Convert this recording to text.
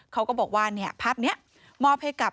เขาก็บอกว่าภาพนี้มอบให้กับ